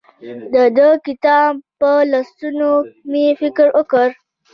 د دې کتاب په لوستو مې فکر وکړ.